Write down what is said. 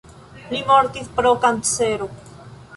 Li mortis pro kancero.